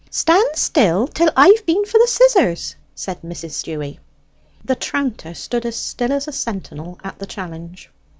"Stand still till I've been for the scissors," said Mrs. Dewy. The tranter stood as still as a sentinel at the challenge.